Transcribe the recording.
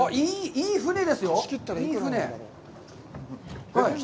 いい船ですよ。